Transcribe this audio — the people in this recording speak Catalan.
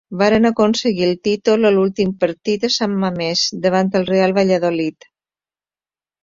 Van aconseguir el títol a l'últim partit a San Mamés davant el Real Valladolid.